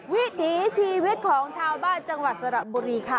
วิถีชีวิตของชาวบ้านจังหวัดสระบุรีค่ะ